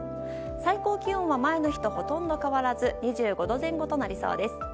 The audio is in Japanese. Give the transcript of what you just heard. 最高気温は前の日とほとんど変わらず２５度前後となりそうです。